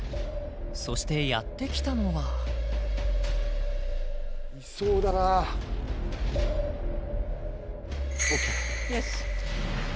そしてやってきたのはいそうだなＯＫよし